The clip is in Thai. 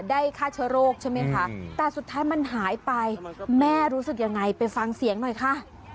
ได้ฆ่าเชื้อโรคใช่ไหมคะแต่สุดท้ายมันหายไปแม่รู้สึกยังไงไปฟังเสียงหน่อยค่ะ